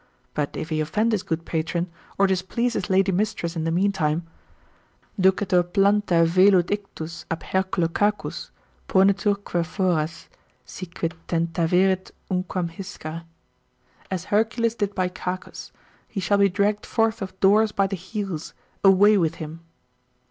But if he offend his good patron, or displease his lady mistress in the mean time, Ducetur Planta velut ictus ab Hercule Cacus, Poneturque foras, si quid tentaverit unquam Hiscere——— as Hercules did by Cacus, he shall be dragged forth of doors by the heels, away with him.